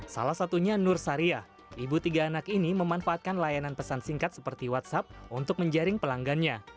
salah satunya nur sariah ibu tiga anak ini memanfaatkan layanan pesan singkat seperti whatsapp untuk menjaring pelanggannya